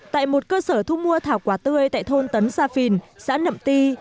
tại một cơ sở thu mua thảo quả tươi tại thôn tấn sa phìn xã nậm ti